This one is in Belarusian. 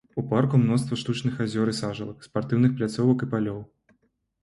У парку мноства штучных азёр і сажалак, спартыўных пляцовак і палёў.